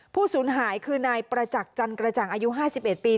ผู้ศูนย์หายคือนายประจักษ์จันกระจังอายุห้าสิบเอ็ดปี